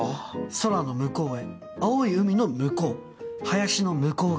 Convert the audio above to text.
『空の向こうへ』『青い海の向こう』『林の向こう側』。